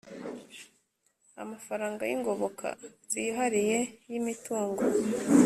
Amafaranga y ingoboka zihariye y imitungo